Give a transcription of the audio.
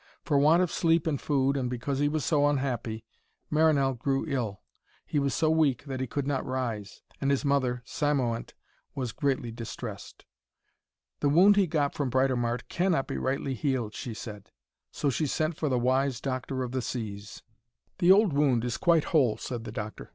For want of sleep and food, and because he was so unhappy, Marinell grew ill. He was so weak that he could not rise, and his mother, Cymoënt, was greatly distressed. 'The wound he got from Britomart cannot be rightly healed,' she said. So she sent for the wise doctor of the seas. 'The old wound is quite whole,' said the doctor.